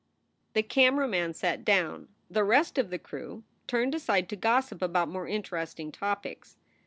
The camera man sat down. The rest of the crew turned aside to gossip about more interesting topics.